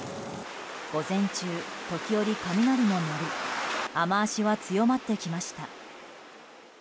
午前中、時折雷も鳴り雨脚は強まってきました。